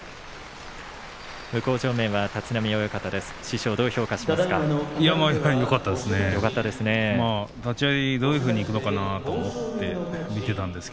向正面は立浪親方です。